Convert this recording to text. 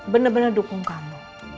bener bener dukung kamu